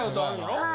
はい。